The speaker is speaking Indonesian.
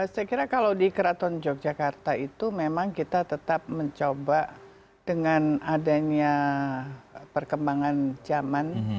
saya kira kalau di keraton yogyakarta itu memang kita tetap mencoba dengan adanya perkembangan zaman